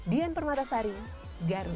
dian permatasari garut